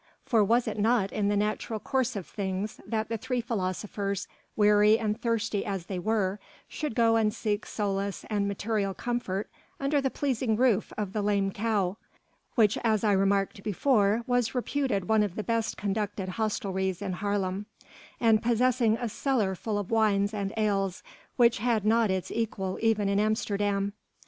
For was it not in the natural course of things that the three philosophers, weary and thirsty as they were, should go and seek solace and material comfort under the pleasing roof of the "Lame Cow" which as I remarked before was reputed one of the best conducted hostelries in Haarlem, and possessing a cellar full of wines and ales which had not its equal even in Amsterdam.